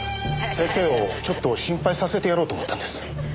先生をちょっと心配させてやろうと思ったんです。